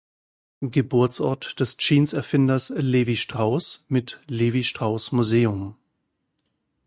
Geburtsort des Jeans-Erfinders Levi Strauss mit Levi-Strauss-Museum.